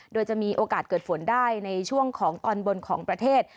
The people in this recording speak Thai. โดยจะมีโอกาสเกิดฝนได้ในช่วงของตอนบนของประเทศ